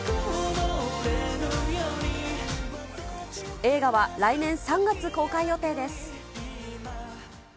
映画は来年３月公開予定です。